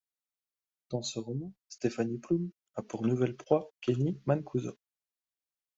Dans ce roman, Stephanie Plum a pour nouvelle proie Kenny Mancuso.